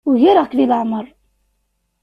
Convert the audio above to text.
Ugareɣ-k deg leɛmeṛ.